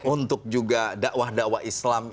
untuk juga dakwah dakwah islam